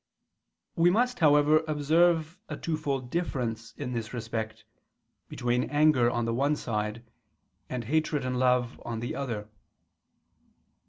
We must, however, observe a twofold difference in this respect, between anger on the one side, and hatred and love on the other.